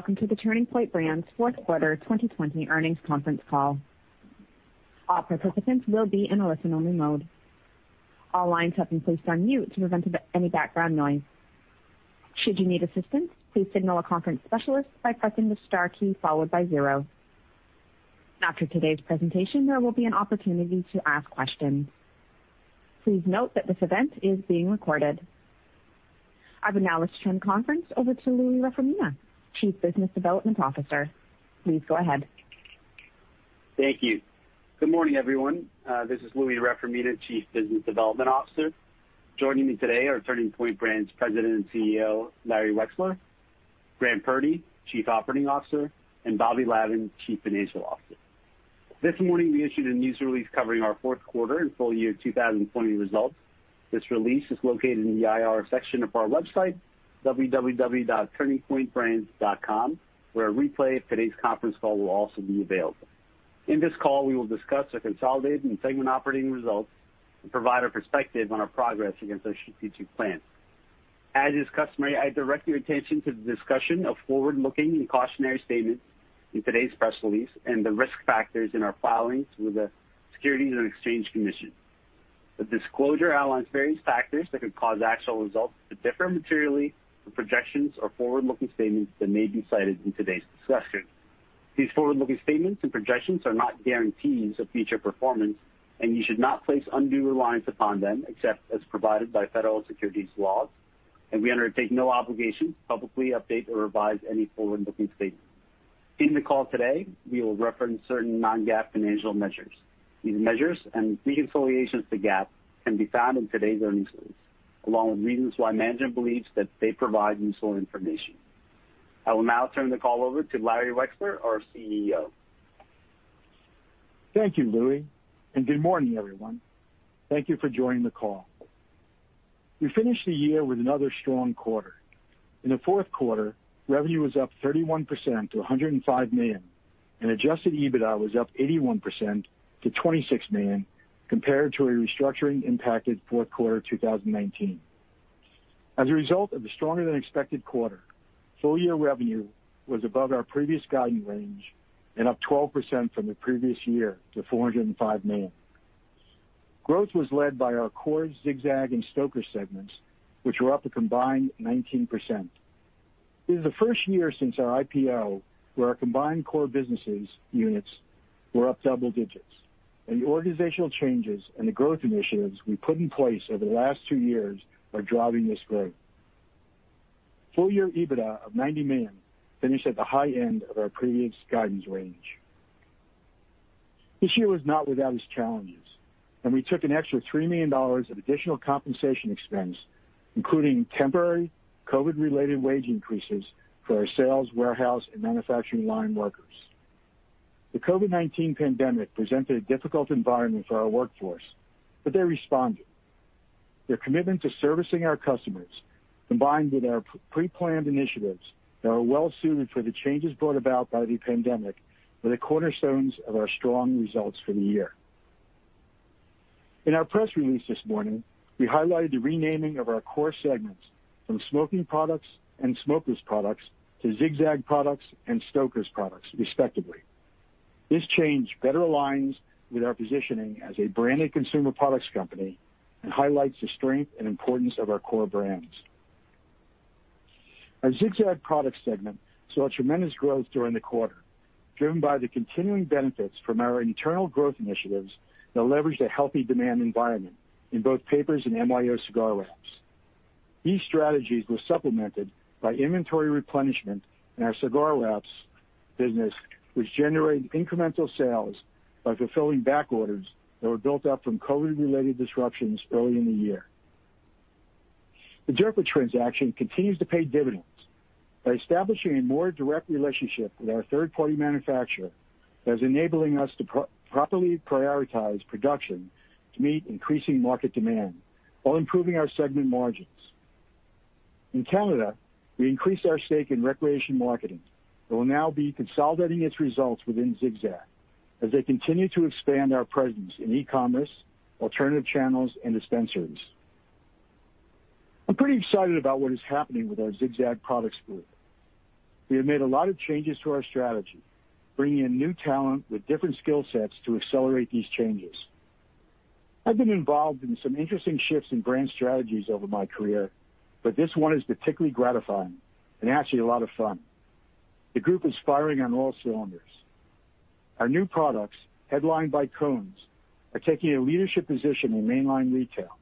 Welcome to the Turning Point Brands fourth quarter 2020 earnings conference call. I would now like to turn the conference over to Louie Reformina, Chief Business Development Officer. Please go ahead. Thank you. Good morning, everyone. This is Louie Reformina, Chief Business Development Officer. Joining me today are Turning Point Brands President and CEO, Larry Wexler; Graham Purdy, Chief Operating Officer; and Bobby Lavan, Chief Financial Officer. This morning we issued a news release covering our fourth quarter and full year 2020 results. This release is located in the IR section of our website, www.turningpointbrands.com, where a replay of today's conference call will also be available. In this call, we will discuss our consolidated and segment operating results and provide our perspective on our progress against our strategic plan. As is customary, I direct your attention to the discussion of forward-looking and cautionary statements in today's press release and the risk factors in our filings with the Securities and Exchange Commission. The disclosure outlines various factors that could cause actual results to differ materially from projections or forward-looking statements that may be cited in today's discussion. These forward-looking statements and projections are not guarantees of future performance, and you should not place undue reliance upon them except as provided by federal securities laws, and we undertake no obligation to publicly update or revise any forward-looking statements. In the call today, we will reference certain non-GAAP financial measures. These measures and reconciliations to GAAP can be found in today's earnings release, along with reasons why management believes that they provide useful information. I will now turn the call over to Larry Wexler, our CEO. Thank you, Louie, good morning, everyone. Thank you for joining the call. We finished the year with another strong quarter. In the fourth quarter, revenue was up 31% to $105 million. Adjusted EBITDA was up 81% to $26 million compared to a restructuring impacted fourth quarter 2019. As a result of the stronger than expected quarter, full year revenue was above our previous guidance range and up 12% from the previous year to $405 million. Growth was led by our core Zig-Zag and Stoker's segments, which were up a combined 19%. It is the first year since our IPO where our combined core businesses units were up double digits. The organizational changes and the growth initiatives we put in place over the last two years are driving this growth. Full year EBITDA of $90 million finished at the high end of our previous guidance range. This year was not without its challenges, and we took an extra $3 million of additional compensation expense, including temporary COVID-related wage increases for our sales, warehouse, and manufacturing line workers. The COVID-19 pandemic presented a difficult environment for our workforce, but they responded. Their commitment to servicing our customers, combined with our pre-planned initiatives that are well-suited for the changes brought about by the pandemic, were the cornerstones of our strong results for the year. In our press release this morning, we highlighted the renaming of our core segments from Smoking Products and Smokeless Products to Zig-Zag Products and Stoker's Products respectively. This change better aligns with our positioning as a branded consumer products company and highlights the strength and importance of our core brands. Our Zig-Zag Products segment saw tremendous growth during the quarter, driven by the continuing benefits from our internal growth initiatives that leveraged a healthy demand environment in both papers and MYO cigar wraps. These strategies were supplemented by inventory replenishment in our cigar wraps business, which generated incremental sales by fulfilling back orders that were built up from COVID-related disruptions early in the year. The Durfort transaction continues to pay dividends by establishing a more direct relationship with our third-party manufacturer that is enabling us to properly prioritize production to meet increasing market demand while improving our segment margins. In Canada, we increased our stake in ReCreation Marketing. It will now be consolidating its results within Zig-Zag as they continue to expand our presence in e-commerce, alternative channels, and dispensaries. I'm pretty excited about what is happening with our Zig-Zag Products group. We have made a lot of changes to our strategy, bringing in new talent with different skill sets to accelerate these changes. I've been involved in some interesting shifts in brand strategies over my career, but this one is particularly gratifying and actually a lot of fun. The group is firing on all cylinders. Our new products, headlined by Cones, are taking a leadership position in mainline retail.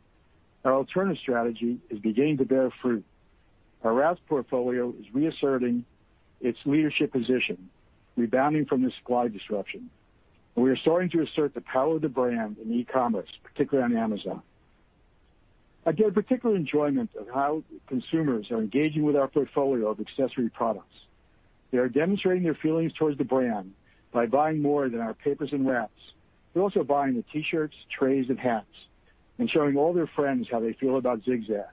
Our alternative strategy is beginning to bear fruit. Our Wraps portfolio is reasserting its leadership position, rebounding from the supply disruption, and we are starting to assert the power of the brand in e-commerce, particularly on Amazon. I get particular enjoyment of how consumers are engaging with our portfolio of accessory products. They are demonstrating their feelings towards the brand by buying more than our papers and Wraps. They're also buying the T-shirts, trays, and hats and showing all their friends how they feel about Zig-Zag,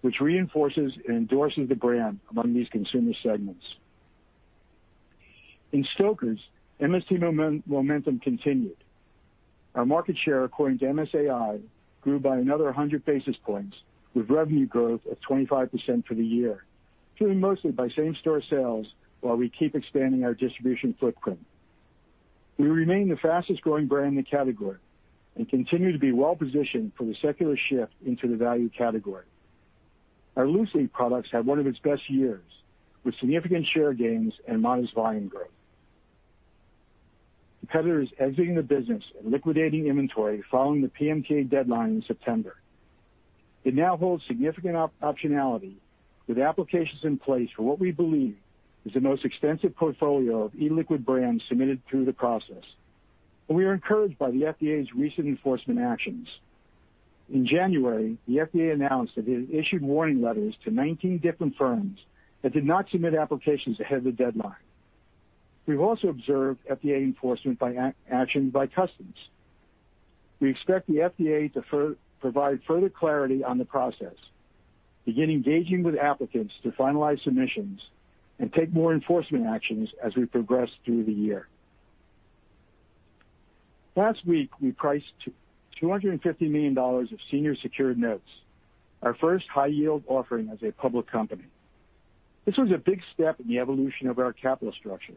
which reinforces and endorses the brand among these consumer segments. In Stoker's, MST momentum continued. Our market share, according to MSAi, grew by another 100 basis points, with revenue growth of 25% for the year, driven mostly by same-store sales, while we keep expanding our distribution footprint. We remain the fastest-growing brand in the category and continue to be well-positioned for the secular shift into the value category. Our loose-leaf products had one of its best years, with significant share gains and modest volume growth. Competitors exiting the business and liquidating inventory following the PMTA deadline in September. It now holds significant optionality with applications in place for what we believe is the most extensive portfolio of e-liquid brands submitted through the process. We are encouraged by the FDA's recent enforcement actions. In January, the FDA announced that it had issued warning letters to 19 different firms that did not submit applications ahead of the deadline. We've also observed FDA enforcement by action by customs. We expect the FDA to provide further clarity on the process, begin engaging with applicants to finalize submissions, and take more enforcement actions as we progress through the year. Last week, we priced $250 million of senior secured notes, our first high-yield offering as a public company. This was a big step in the evolution of our capital structure.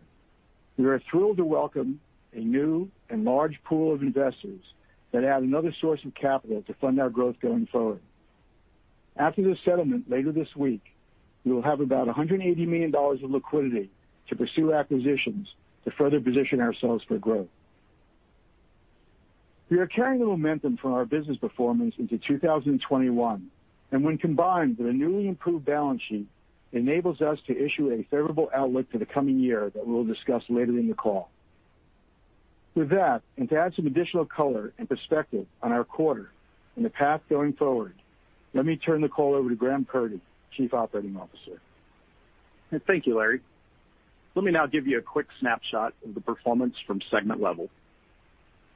We are thrilled to welcome a new and large pool of investors that add another source of capital to fund our growth going forward. After the settlement later this week, we will have about $180 million of liquidity to pursue acquisitions to further position ourselves for growth. We are carrying the momentum from our business performance into 2021, and when combined with a newly improved balance sheet, enables us to issue a favorable outlook for the coming year that we'll discuss later in the call. With that, and to add some additional color and perspective on our quarter and the path going forward, let me turn the call over to Graham Purdy, Chief Operating Officer. Thank you, Larry. Let me now give you a quick snapshot of the performance from segment level.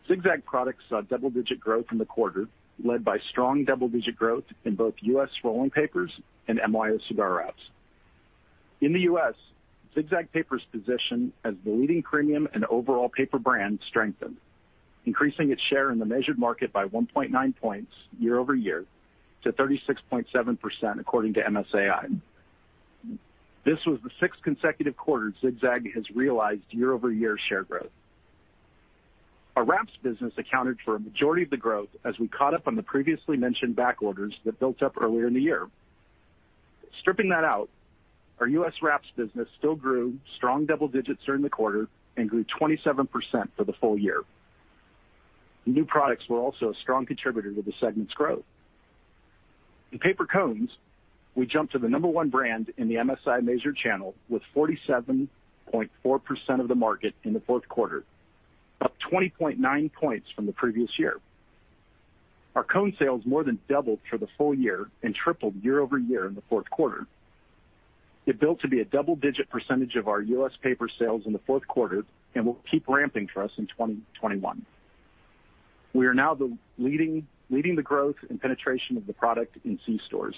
Zig-Zag Products saw double-digit growth in the quarter, led by strong double-digit growth in both U.S. rolling papers and MYO cigar wraps. In the U.S., Zig-Zag Papers' position as the leading premium and overall paper brand strengthened, increasing its share in the measured market by 1.9 points year-over-year to 36.7%, according to MSAi. This was the sixth consecutive quarter Zig-Zag has realized year-over-year share growth. Our wraps business accounted for a majority of the growth as we caught up on the previously mentioned back orders that built up earlier in the year. Stripping that out, our U.S. wraps business still grew strong double digits during the quarter and grew 27% for the full year. New products were also a strong contributor to the segment's growth. In paper cones, we jumped to the number one brand in the MSAi measured channel, with 47.4% of the market in the fourth quarter, up 20.9 points from the previous year. Our cone sales more than doubled for the full year and tripled year-over-year in the fourth quarter. It built to be a double-digit percentage of our U.S. paper sales in the fourth quarter and will keep ramping for us in 2021. We are now leading the growth and penetration of the product in c-stores.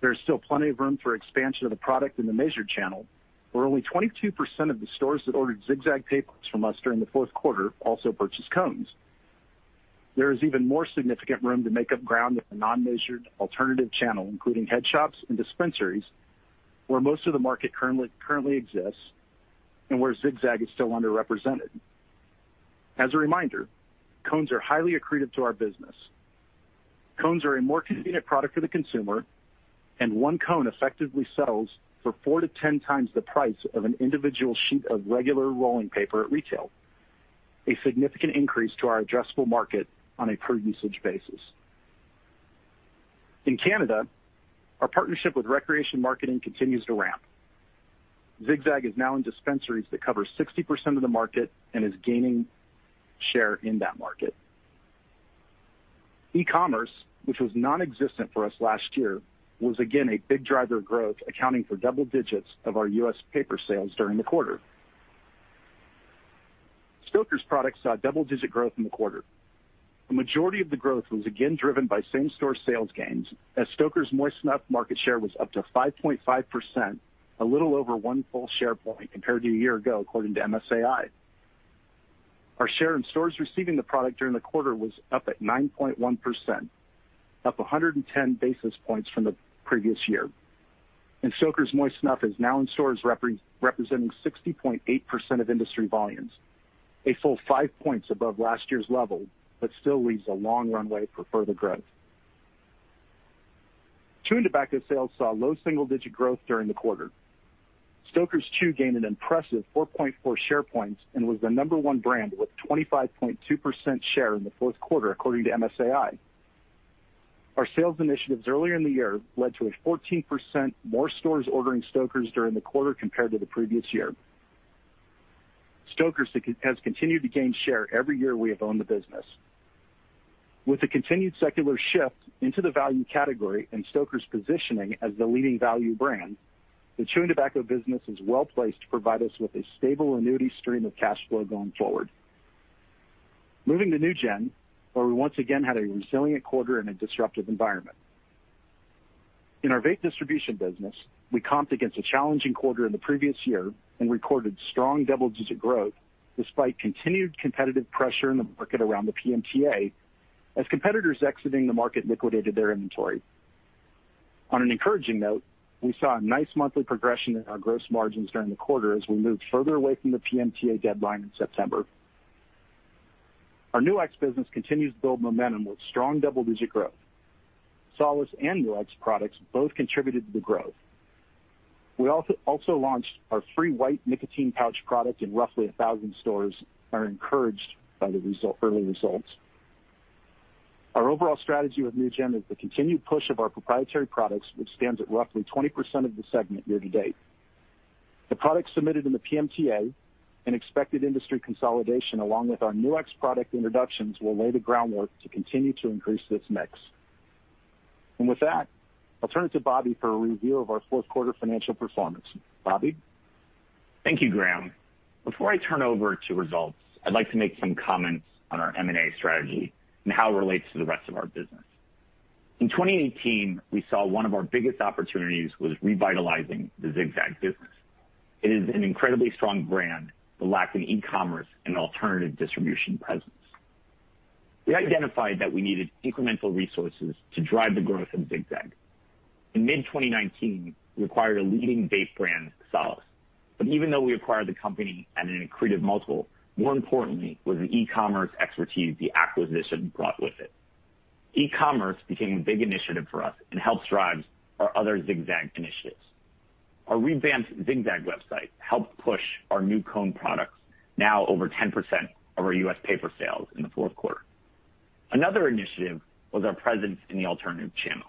There is still plenty of room for expansion of the product in the measured channel, where only 22% of the stores that ordered Zig-Zag papers from us during the fourth quarter also purchased cones. There is even more significant room to make up ground with the non-measured alternative channel, including head shops and dispensaries, where most of the market currently exists and where Zig-Zag is still underrepresented. As a reminder, cones are highly accretive to our business. Cones are a more convenient product for the consumer, and one cone effectively sells for 4-10 times the price of an individual sheet of regular rolling paper at retail, a significant increase to our addressable market on a per-usage basis. In Canada, our partnership with ReCreation Marketing continues to ramp. Zig-Zag is now in dispensaries that cover 60% of the market and is gaining share in that market. E-commerce, which was nonexistent for us last year, was again a big driver of growth, accounting for double digits of our U.S. paper sales during the quarter. Stoker's Products saw double-digit growth in the quarter. The majority of the growth was again driven by same-store sales gains, as Stoker's moist snuff market share was up to 5.5%, a little over one full share point compared to a year ago, according to MSAi. Our share in stores receiving the product during the quarter was up at 9.1%, up 110 basis points from the previous year. Stoker's moist snuff is now in stores representing 60.8% of industry volumes, a full five points above last year's level, but still leaves a long runway for further growth. Chewing tobacco sales saw low single-digit growth during the quarter. Stoker's Chew gained an impressive 4.4 share points and was the number one brand with 25.2% share in the fourth quarter, according to MSAi. Our sales initiatives earlier in the year led to a 14% more stores ordering Stoker's during the quarter compared to the previous year. Stoker's has continued to gain share every year we have owned the business. With the continued secular shift into the value category and Stoker's positioning as the leading value brand, the chewed tobacco business is well-placed to provide us with a stable annuity stream of cash flow going forward. Moving to NewGen, where we once again had a resilient quarter in a disruptive environment. In our vape distribution business, we comped against a challenging quarter in the previous year and recorded strong double-digit growth despite continued competitive pressure in the market around the PMTA as competitors exiting the market liquidated their inventory. On an encouraging note, we saw a nice monthly progression in our gross margins during the quarter as we moved further away from the PMTA deadline in September. Our Nu-X business continues to build momentum with strong double-digit growth. Solace and Nu-X products both contributed to the growth. We also launched our FRE white nicotine pouch product in roughly 1,000 stores and are encouraged by the early results. Our overall strategy with NewGen is the continued push of our proprietary products, which stands at roughly 20% of the segment year-to-date. The products submitted in the PMTA and expected industry consolidation, along with our Nu-X product introductions, will lay the groundwork to continue to increase this mix. With that, I'll turn it to Bobby for a review of our fourth quarter financial performance. Bobby? Thank you, Graham. Before I turn over to results, I'd like to make some comments on our M&A strategy and how it relates to the rest of our business. In 2018, we saw one of our biggest opportunities was revitalizing the Zig-Zag business. It is an incredibly strong brand, but lacking e-commerce and alternative distribution presence. We identified that we needed incremental resources to drive the growth of Zig-Zag. In mid-2019, we acquired a leading vape brand, Solace. Even though we acquired the company at an accretive multiple, more importantly was the e-commerce expertise the acquisition brought with it. E-commerce became a big initiative for us and helped drive our other Zig-Zag initiatives. Our revamped Zig-Zag website helped push our new cone products, now over 10% of our U.S. paper sales in the fourth quarter. Another initiative was our presence in the alternative channel.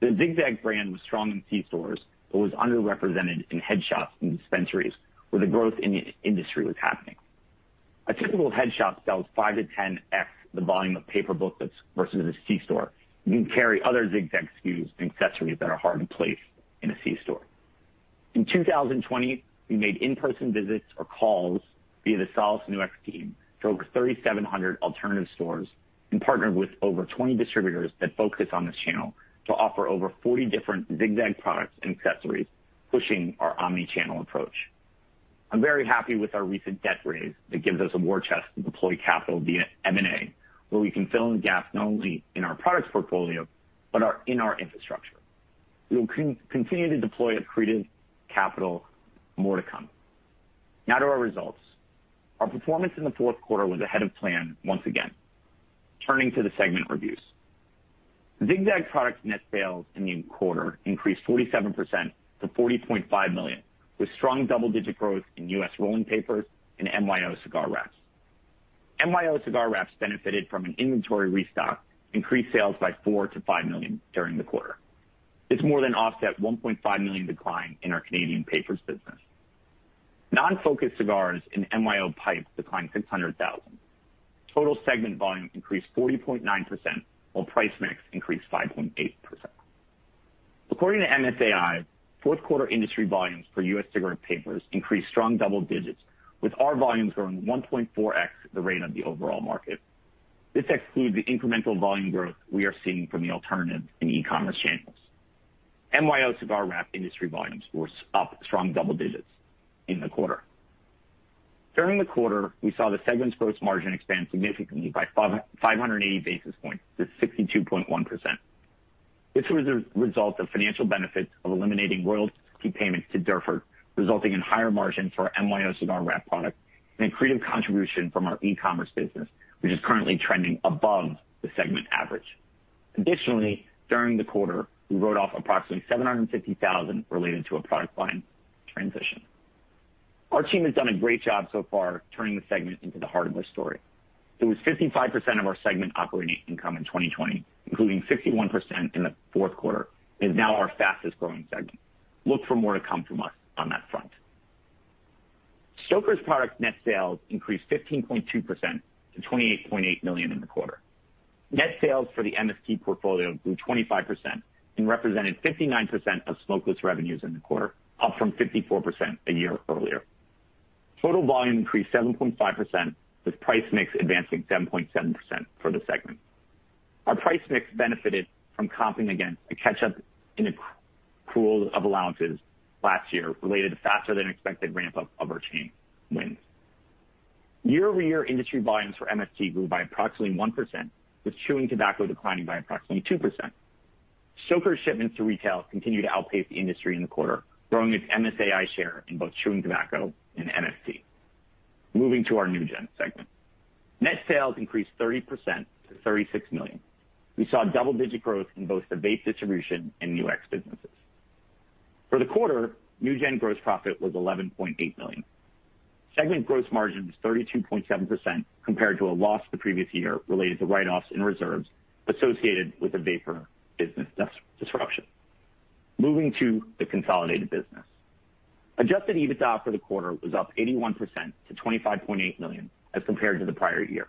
The Zig-Zag brand was strong in C stores but was underrepresented in head shops and dispensaries, where the growth in the industry was happening. A typical head shop sells 5x-10x the volume of paper books versus a C store and can carry other Zig-Zag SKUs and accessories that are hard to place in a C store. In 2020, we made in-person visits or calls via the Solace Nu-X team to over 3,700 alternative stores and partnered with over 20 distributors that focus on this channel to offer over 40 different Zig-Zag products and accessories, pushing our omni-channel approach. I'm very happy with our recent debt raise that gives us a war chest to deploy capital via M&A, where we can fill in the gaps not only in our products portfolio, but in our infrastructure. We will continue to deploy accretive capital. More to come. Now to our results. Our performance in the fourth quarter was ahead of plan once again. Turning to the segment reviews. Zig-Zag Products net sales in the quarter increased 47% to $40.5 million, with strong double-digit growth in U.S. rolling papers and MYO cigar wraps. MYO cigar wraps benefited from an inventory restock, increased sales by $4 million-$5 million during the quarter. This more than offset a $1.5 million decline in our Canadian papers business. Non-focused cigars and MYO pipes declined $600,000. Total segment volume increased 40.9%, while price mix increased 5.8%. According to MSAi, fourth quarter industry volumes for U.S. cigarette papers increased strong double digits, with our volumes growing 1.4x the rate of the overall market. This excludes the incremental volume growth we are seeing from the alternative and e-commerce channels. MYO cigar wrap industry volumes were up strong double digits in the quarter. During the quarter, we saw the segment's gross margin expand significantly by 580 basis points to 62.1%. This was a result of financial benefits of eliminating royalty payments to Durfort, resulting in higher margins for our MYO cigar wrap product and accretive contribution from our e-commerce business, which is currently trending above the segment average. Additionally, during the quarter, we wrote off approximately $750,000 related to a product line transition. Our team has done a great job so far turning the segment into the heart of the story. It was 55% of our segment operating income in 2020, including 51% in the fourth quarter. It is now our fastest-growing segment. Look for more to come from us on that front. Stoker's Products net sales increased 15.2% to $28.8 million in the quarter. Net sales for the MST portfolio grew 25% and represented 59% of smokeless revenues in the quarter, up from 54% a year earlier. Total volume increased 7.5%, with price mix advancing 7.7% for the segment. Our price mix benefited from comping against a catch-up in accrual of allowances last year related to faster than expected ramp-up of our chain wins. Year-over-year industry volumes for MST grew by approximately 1%, with chewing tobacco declining by approximately 2%. Stoker's shipments to retail continued to outpace the industry in the quarter, growing its MSAi share in both chewing tobacco and MST. Moving to our NewGen segment. Net sales increased 30% to $36 million. We saw double-digit growth in both the vape distribution and Nu-X businesses. For the quarter, NewGen gross profit was $11.8 million. Segment gross margin was 32.7% compared to a loss the previous year related to write-offs and reserves associated with the vapor business disruption. Moving to the consolidated business. Adjusted EBITDA for the quarter was up 81% to $25.8 million as compared to the prior year.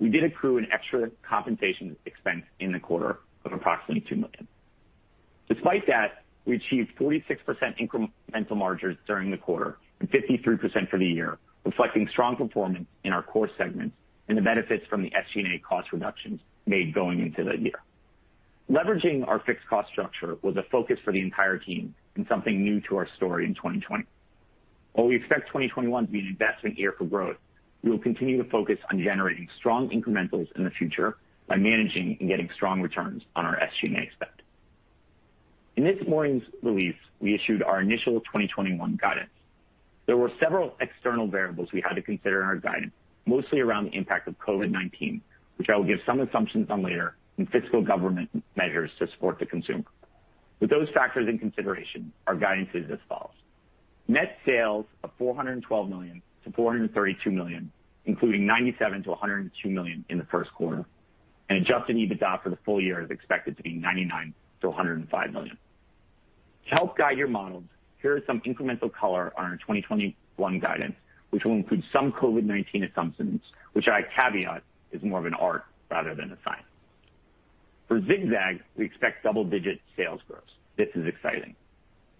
We did accrue an extra compensation expense in the quarter of approximately $2 million. Despite that, we achieved 46% incremental margins during the quarter and 53% for the year, reflecting strong performance in our core segments and the benefits from the SG&A cost reductions made going into the year. Leveraging our fixed cost structure was a focus for the entire team and something new to our story in 2020. While we expect 2021 to be an investment year for growth, we will continue to focus on generating strong incrementals in the future by managing and getting strong returns on our SG&A spend. In this morning's release, we issued our initial 2021 guidance. There were several external variables we had to consider in our guidance, mostly around the impact of COVID-19, which I will give some assumptions on later, and fiscal government measures to support the consumer. With those factors in consideration, our guidance is as follows. Net sales of $412 million-$432 million, including $97 million-$102 million in the first quarter, and adjusted EBITDA for the full year is expected to be $99 million-$105 million. To help guide your models, here is some incremental color on our 2021 guidance, which will include some COVID-19 assumptions, which I caveat is more of an art rather than a science. For Zig-Zag, we expect double-digit sales growth. This is exciting.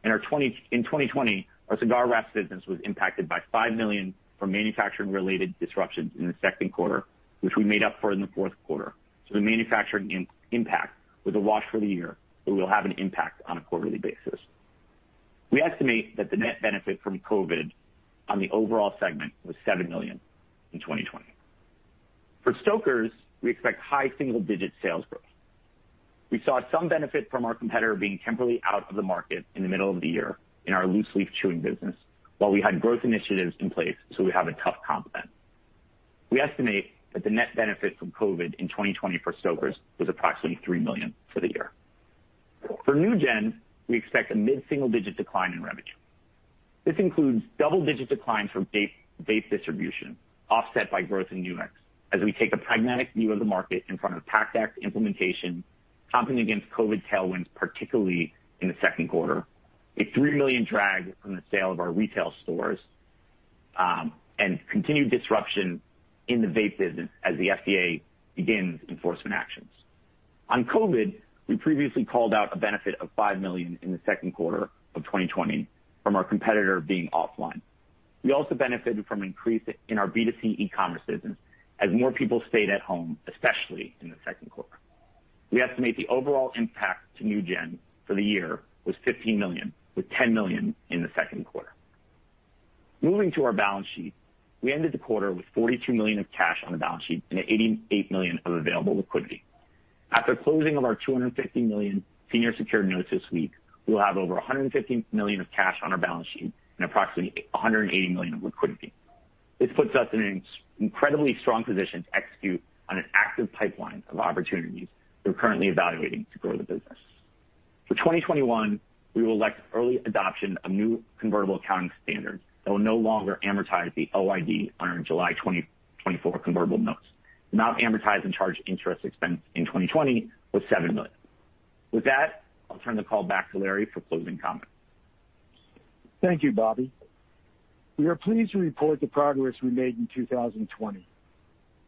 In 2020, our cigar wraps business was impacted by $5 million from manufacturing-related disruptions in the second quarter, which we made up for in the fourth quarter. The manufacturing impact was a wash for the year, but will have an impact on a quarterly basis. We estimate that the net benefit from COVID on the overall segment was $7 million in 2020. For Stoker's, we expect high single-digit sales growth. We saw some benefit from our competitor being temporarily out of the market in the middle of the year in our loose-leaf chewing business while we had growth initiatives in place. We have a tough comp then. We estimate that the net benefit from COVID in 2020 for Stoker's was approximately $3 million for the year. For Nu-X, we expect a mid-single-digit decline in revenue. This includes double-digit declines from vape distribution, offset by growth in Nu-X as we take a pragmatic view of the market in front of the PACT Act implementation, comping against COVID tailwinds, particularly in the second quarter, a $3 million drag from the sale of our retail stores, and continued disruption in the vape business as the FDA begins enforcement actions. On COVID, we previously called out a benefit of $5 million in the second quarter of 2020 from our competitor being offline. We also benefited from increase in our B2C e-commerce business as more people stayed at home, especially in the second quarter. We estimate the overall impact to NewGen for the year was $15 million, with $10 million in the second quarter. Moving to our balance sheet, we ended the quarter with $42 million of cash on the balance sheet and $88 million of available liquidity. After closing of our $250 million senior secured notes this week, we will have over $150 million of cash on our balance sheet and approximately $180 million of liquidity. This puts us in an incredibly strong position to execute on an active pipeline of opportunities that we're currently evaluating to grow the business. For 2021, we will elect early adoption of new convertible accounting standards that will no longer amortize the OID on our July 2024 convertible notes. The amount amortized and charged interest expense in 2020 was $7 million. With that, I'll turn the call back to Larry for closing comments. Thank you, Bobby. We are pleased to report the progress we made in 2020.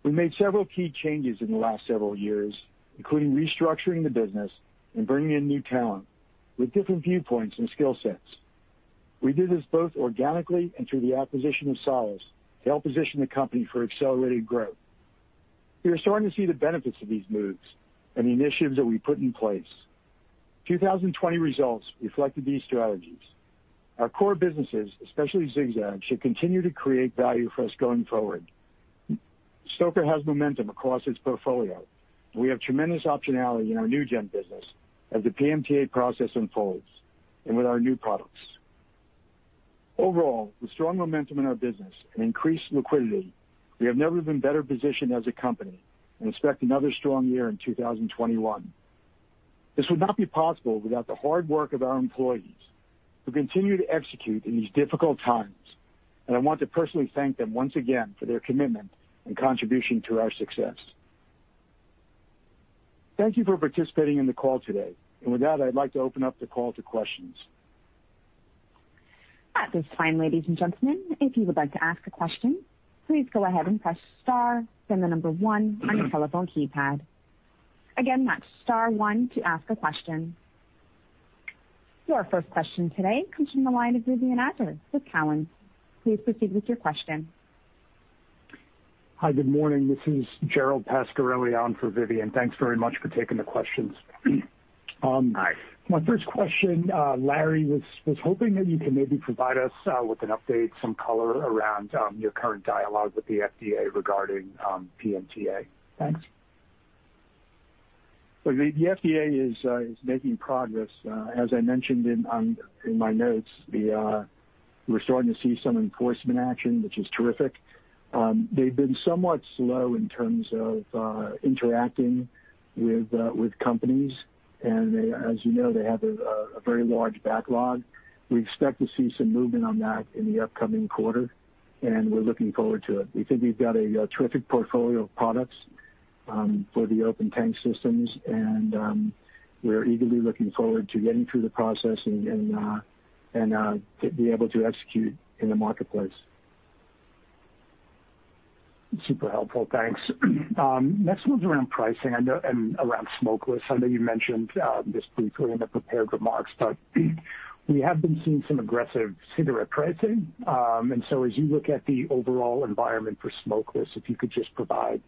We made several key changes in the last several years, including restructuring the business and bringing in new talent with different viewpoints and skill sets. We did this both organically and through the acquisition of Solace to help position the company for accelerated growth. We are starting to see the benefits of these moves and the initiatives that we put in place. 2020 results reflected these strategies. Our core businesses, especially Zig-Zag, should continue to create value for us going forward. Stoker's has momentum across its portfolio, and we have tremendous optionality in our NewGen business as the PMTA process unfolds and with our new products. Overall, with strong momentum in our business and increased liquidity, we have never been better positioned as a company and expect another strong year in 2021. This would not be possible without the hard work of our employees who continue to execute in these difficult times, and I want to personally thank them once again for their commitment and contribution to our success. Thank you for participating in the call today. With that, I'd like to open up the call to questions. At this time, ladies and gentlemen, if you would like to ask a question, please go ahead and press star, then the number one on your telephone keypad. Again, that's star one to ask a question. Your first question today comes from the line of Vivien Azer with Cowen. Please proceed with your question. Hi. Good morning. This is Gerald Pascarelli on for Vivien. Thanks very much for taking the questions. Hi. My first question, Larry, was hoping that you can maybe provide us with an update, some color around your current dialogue with the FDA regarding PMTA. Thanks. The FDA is making progress. As I mentioned in my notes, we're starting to see some enforcement action, which is terrific. They've been somewhat slow in terms of interacting with companies, and as you know, they have a very large backlog. We expect to see some movement on that in the upcoming quarter, and we're looking forward to it. We think we've got a terrific portfolio of products for the open tank systems, and we're eagerly looking forward to getting through the process and to be able to execute in the marketplace. Super helpful. Thanks. Next one's around pricing and around smokeless. I know you mentioned this briefly in the prepared remarks, but we have been seeing some aggressive cigarette pricing. As you look at the overall environment for smokeless, if you could just provide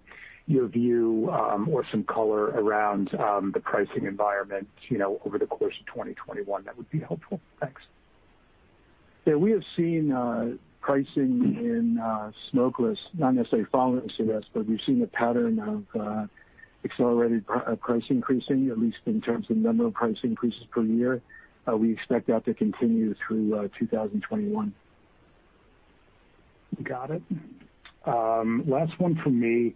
your view or some color around the pricing environment over the course of 2021, that would be helpful. Thanks. Yeah, we have seen pricing in smokeless, not necessarily following cigarettes, but we've seen a pattern of accelerated price increasing, at least in terms of number of price increases per year. We expect that to continue through 2021. Got it. Last one from me.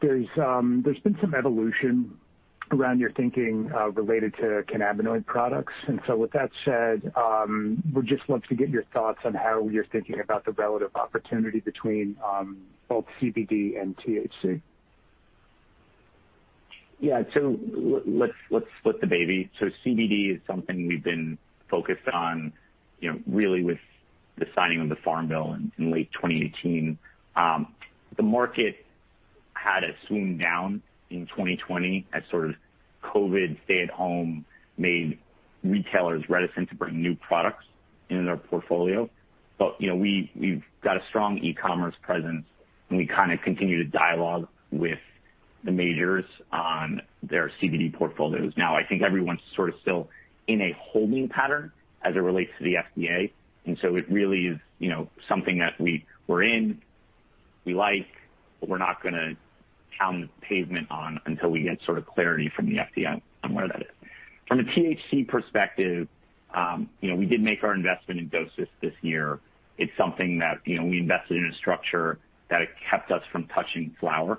There's been some evolution around your thinking related to cannabinoid products. With that said, would just love to get your thoughts on how you're thinking about the relative opportunity between both CBD and THC. Let's split the baby. CBD is something we've been focused on really with the signing of the Farm Bill in late 2018. The market had a swoon down in 2020 as sort of COVID stay-at-home made retailers reticent to bring new products into their portfolio. We've got a strong e-commerce presence, and we kind of continue to dialogue with the majors on their CBD portfolios. I think everyone's sort of still in a holding pattern as it relates to the FDA, it really is something that we were in, we like, but we're not going to pound the pavement on until we get sort of clarity from the FDA on where that is. From a THC perspective, we did make our investment in dosist this year. It's something that we invested in a structure that kept us from touching flower,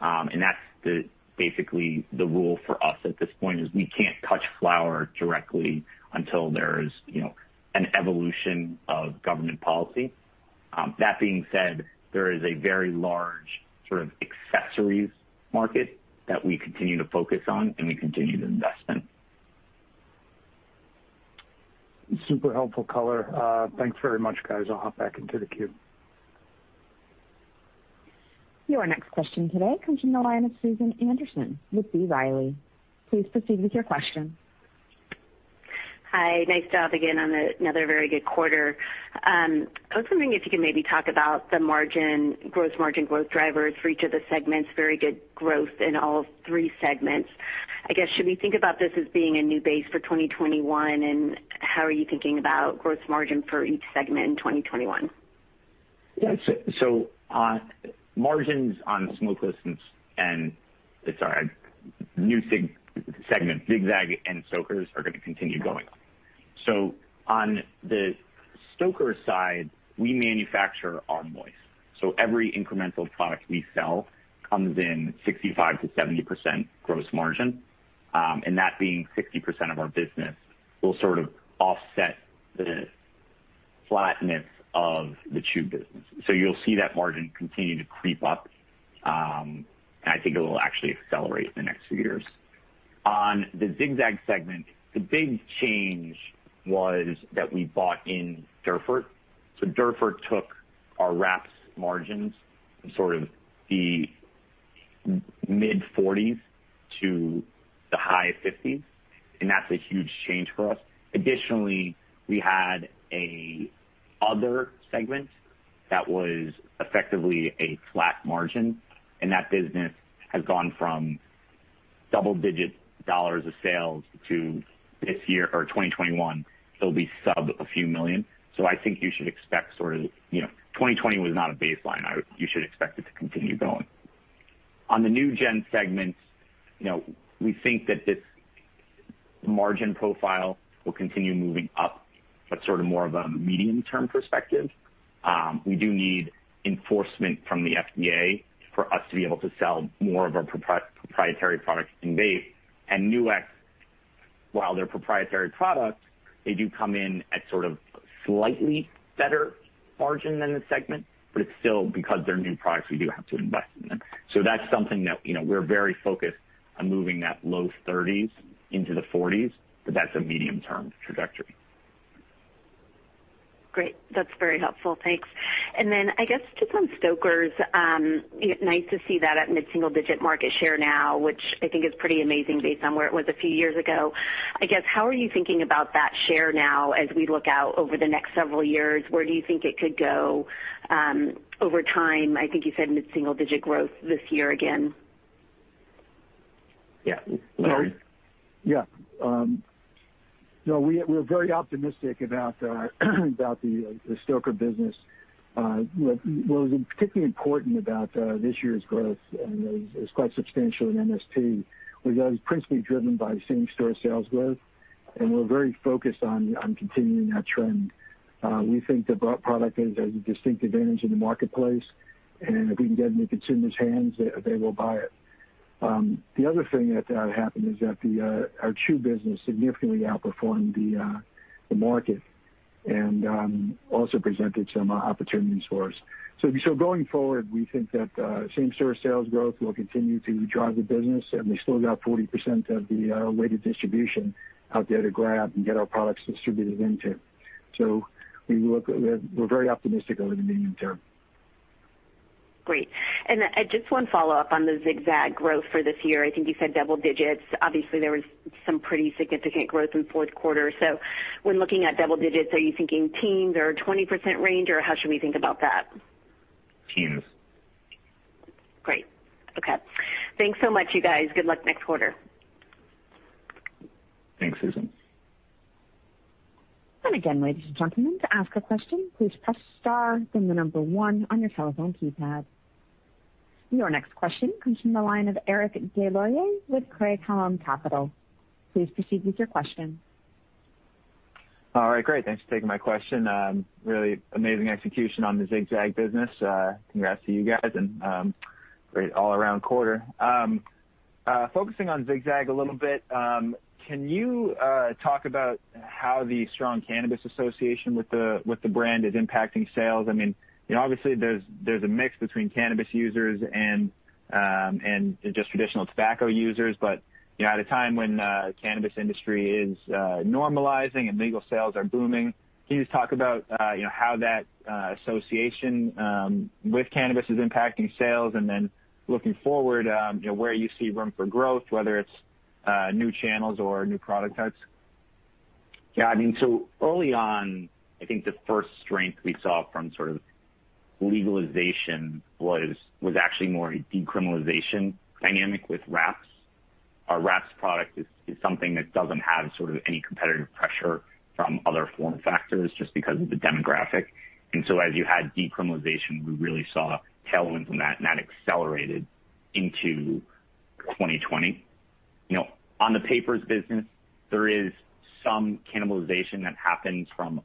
and that's basically the rule for us at this point, is we can't touch flower directly until there's an evolution of government policy. That being said, there is a very large sort of accessories market that we continue to focus on, and we continue to invest in. Super helpful color. Thanks very much, guys. I'll hop back into the queue. Your next question today comes from the line of Susan Anderson with B. Riley. Please proceed with your question. Hi. Nice job again on another very good quarter. I was wondering if you could maybe talk about the gross margin growth drivers for each of the 3 segments. Very good growth in all 3 segments. I guess, should we think about this as being a new base for 2021, and how are you thinking about gross margin for each segment in 2021? Margins on smokeless and, sorry, new segment, Zig-Zag and Stoker's are going to continue going up. On the Stoker's side, we manufacture our moist. Every incremental product we sell comes in 65%-70% gross margin. That being 60% of our business will sort of offset the flatness of the chew business. You'll see that margin continue to creep up, and I think it will actually accelerate in the next few years. On the Zig-Zag segment, the big change was that we bought in Durfort. Durfort took our wraps margins from sort of the mid-40s to the high 50s, and that's a huge change for us. Additionally, we had an other segment that was effectively a flat margin, and that business has gone from double-digit dollars of sales to this year, or 2021, it'll be sub a few million. I think you should expect sort of 2020 was not a baseline. You should expect it to continue going. On the NewGen segments, we think that this margin profile will continue moving up, but sort of more of a medium-term perspective. We do need enforcement from the FDA for us to be able to sell more of our proprietary products in vape. Nu-X, while they're proprietary products, they do come in at sort of slightly better margin than the segment, but it's still because they're new products, we do have to invest in them. That's something that we're very focused on moving that low 30s into the 40s, but that's a medium-term trajectory. Great. That's very helpful. Thanks. Then I guess just on Stoker's, nice to see that at mid-single digit market share now, which I think is pretty amazing based on where it was a few years ago. I guess how are you thinking about that share now as we look out over the next several years? Where do you think it could go over time? I think you said mid-single digit growth this year again. Yeah. Larry? Yeah. No, we're very optimistic about the Stoker's business. What was particularly important about this year's growth, and it was quite substantial in MST, was that it was principally driven by same-store sales growth, and we're very focused on continuing that trend. We think the product has a distinct advantage in the marketplace, and if we can get it in the consumers' hands, they will buy it. The other thing that happened is that our chew business significantly outperformed the market and also presented some opportunities for us. Going forward, we think that same-store sales growth will continue to drive the business, and we still got 40% of the weighted distribution out there to grab and get our products distributed into. We're very optimistic over the medium term. Great. Just one follow-up on the Zig-Zag growth for this year. I think you said double digits. Obviously, there was some pretty significant growth in the fourth quarter. When looking at double digits, are you thinking teens or 20% range, or how should we think about that? Teens. Great. Okay. Thanks so much, you guys. Good luck next quarter. Thanks, Susan. Again, ladies and gentlemen, to ask a question, please press star then the number one on your telephone keypad. Your next question comes from the line of Eric Des Lauriers with Craig-Hallum Capital. Please proceed with your question. All right. Great. Thanks for taking my question. Really amazing execution on the Zig-Zag business. Congrats to you guys, and great all-around quarter. Focusing on Zig-Zag a little bit, can you talk about how the strong cannabis association with the brand is impacting sales? Obviously, there's a mix between cannabis users and just traditional tobacco users. At a time when the cannabis industry is normalizing and legal sales are booming, can you just talk about how that association with cannabis is impacting sales and then looking forward, where you see room for growth, whether it's new channels or new product types? Yeah. Early on, I think the first strength we saw from legalization was actually more a decriminalization dynamic with wraps. Our wraps product is something that doesn't have any competitive pressure from other form factors just because of the demographic. As you had decriminalization, we really saw tailwinds from that, and that accelerated into 2020. On the papers business, there is some cannibalization that happens from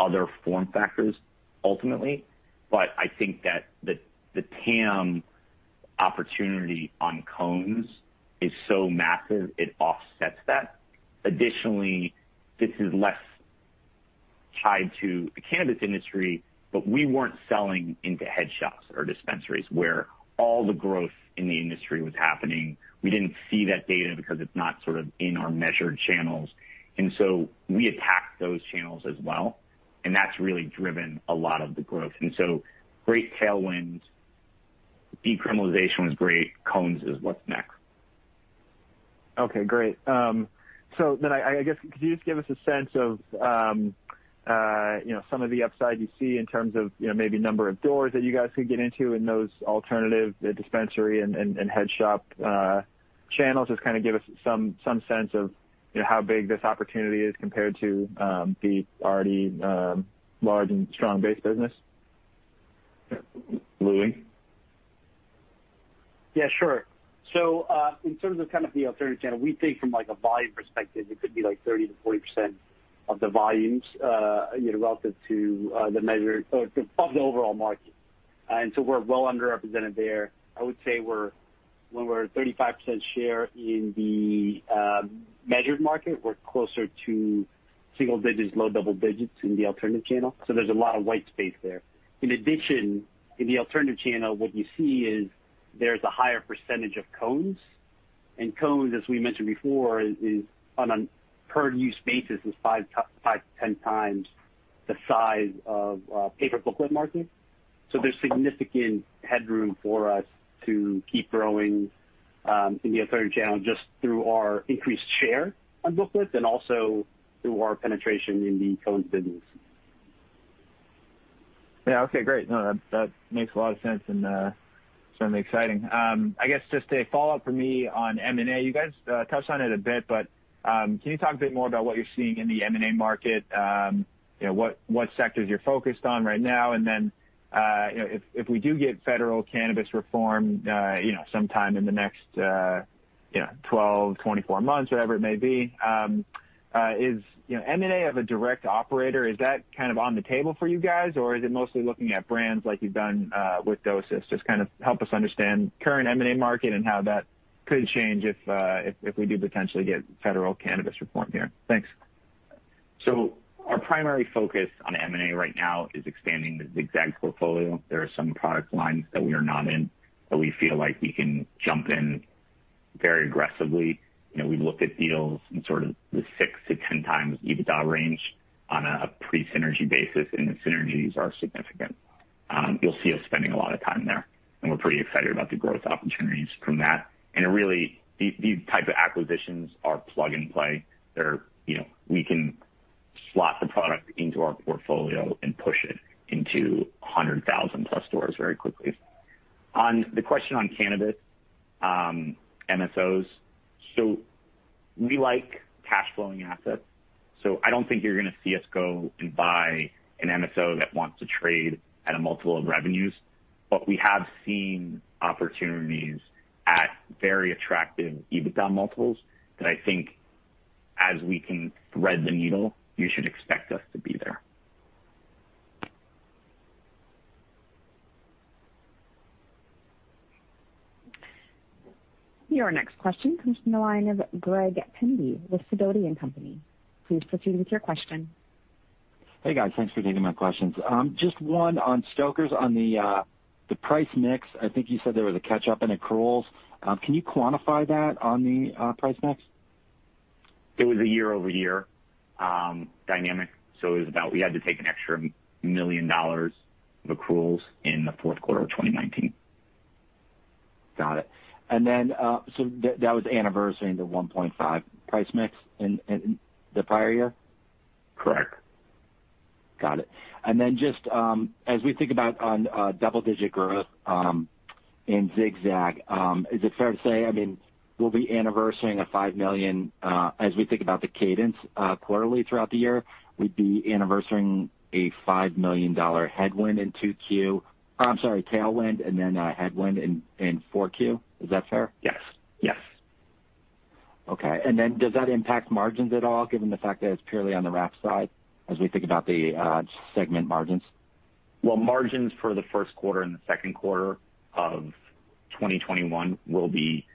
other form factors ultimately, but I think that the TAM opportunity on cones is so massive it offsets that. Additionally, this is less tied to the cannabis industry, but we weren't selling into head shops or dispensaries where all the growth in the industry was happening. We didn't see that data because it's not in our measured channels. We attacked those channels as well, and that's really driven a lot of the growth. Great tailwinds, decriminalization was great. cones is what's next. Okay, great. I guess, could you just give us a sense of some of the upside you see in terms of maybe the number of doors that you guys could get into in those alternative dispensary and head shop channels? Just give us some sense of how big this opportunity is compared to the already large and strong base business. Louie? Yeah, sure. In terms of the alternative channel, we think from a volume perspective, it could be 30%-40% of the volumes relative to the measured of the overall market. We're well underrepresented there. I would say when we're 35% share in the measured market, we're closer to single digits, low double digits in the alternative channel. There's a lot of white space there. In addition, in the alternative channel, what you see is there's a higher percentage of cones, and cones, as we mentioned before, on a per-use basis, is five to 10 times the size of paper booklet market. There's significant headroom for us to keep growing in the alternative channel just through our increased share of booklets and also through our penetration in the cones business. Yeah. Okay, great. No, that makes a lot of sense and certainly exciting. I guess just a follow-up from me on M&A. You guys touched on it a bit, but can you talk a bit more about what you're seeing in the M&A market, what sectors you're focused on right now? If we do get federal cannabis reform sometime in the next 12, 24 months, whatever it may be, M&A of a direct operator, is that on the table for you guys, or is it mostly looking at brands like you've done with dosist? Just help us understand the current M&A market and how that could change if we do potentially get federal cannabis reform here. Thanks. Our primary focus on M&A right now is expanding the Zig-Zag portfolio. There are some product lines that we are not in, but we feel like we can jump in very aggressively. We've looked at deals in the 6x to 10x EBITDA range on a pre-synergy basis, and the synergies are significant. You'll see us spending a lot of time there, and we're pretty excited about the growth opportunities from that. Really, these types of acquisitions are plug-and-play. We can slot the product into our portfolio and push it into 100,000-plus stores very quickly. On the question on cannabis MSOs, we like cash-flowing assets, I don't think you're going to see us go and buy an MSO that wants to trade at a multiple of revenues. We have seen opportunities at very attractive EBITDA multiples that I think as we can thread the needle, you should expect us to be there. Your next question comes from the line of Greg Pendy with Sidoti & Company. Please proceed with your question. Hey, guys. Thanks for taking my questions. Just one on Stoker's, on the price mix. I think you said there was a catch-up in accruals. Can you quantify that on the price mix? It was a year-over-year dynamic. We had to take an extra $1 million of accruals in the fourth quarter of 2019. Got it. That was anniversarying the 1.5 price mix in the prior year? Correct. Got it. Just as we think about on double-digit growth in Zig-Zag, is it fair to say, as we think about the cadence quarterly throughout the year, we'd be anniversarying a $5 million headwind in 2Q, or I'm sorry, tailwind, and then a headwind in 4Q. Is that fair? Yes. Okay. Does that impact margins at all, given the fact that it's purely on the wrap side as we think about the segment margins? Well, margins for the first quarter and the second quarter of 2021 will be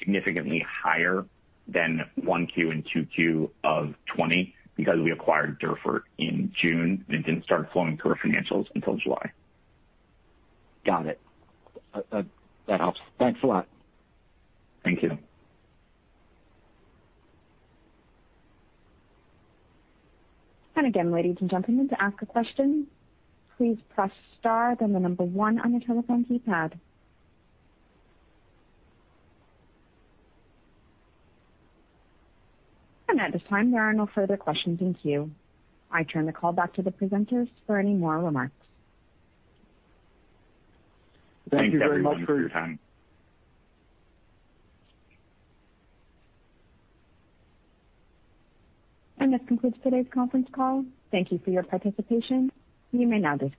significantly higher than 1Q and 2Q of 2020 because we acquired Durfort in June and didn't start flowing through our financials until July. Got it. That helps. Thanks a lot. Thank you. Again, ladies and gentlemen, to ask a question, please press star, then the number one on your telephone keypad. At this time, there are no further questions in queue. I turn the call back to the presenters for any more remarks. Thank you very much for your time. Thanks everyone for your time. This concludes today's conference call. Thank you for your participation. You may now disconnect.